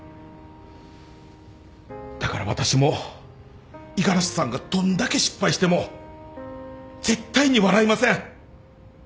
だから私も五十嵐さんがどんだけ失敗しても絶対に笑いません